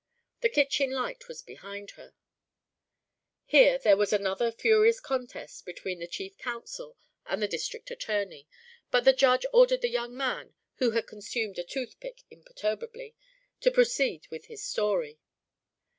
The kitchen light was behind her Here there was another furious contest between the chief counsel and the district attorney, but the Judge ordered the young man (who had consumed a toothpick imperturbably) to proceed with his story.